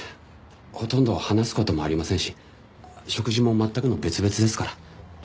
ほとんど話す事もありませんし食事も全くの別々ですから。